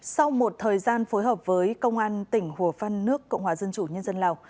sau một thời gian phối hợp với công an tỉnh hồ phân nước cộng hòa dân chủ nhân dân lào